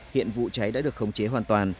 hiện vụ cháy đã được khống chế hoàn toàn